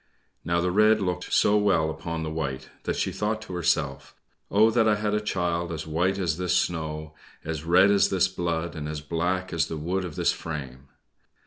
Now the red looked so well upon the white that she thought to herself, "Oh, that I had a child as white as this snow, as red as this blood, and as black as the wood of this frame!"